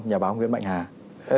nhà báo nguyễn bạch hà